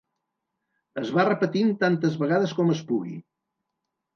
Es va repetint tantes vegades com es pugui.